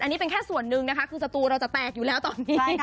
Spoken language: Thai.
อันนี้เป็นแค่ส่วนหนึ่งนะคะคือสตูเราจะแตกอยู่แล้วตอนนี้